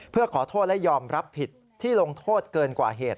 เพื่อขอโทษและยอมรับผิดที่ลงโทษเกินกว่าเหตุ